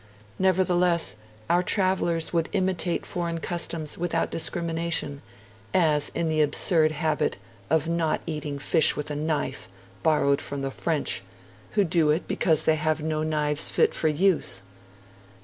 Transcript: Nevertheless, our travellers would imitate foreign customs without discrimination, 'as in the absurd habit of not eating fish with a knife, borrowed from the French, who do it because they have no knives fit for use'.